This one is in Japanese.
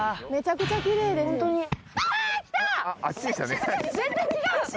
めちゃくちゃ奇麗です。